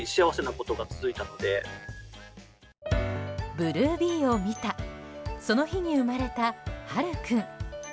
ブレーブスを見たその日に生まれた葉琉君。